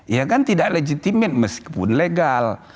ya kan tidak legitimit meskipun legal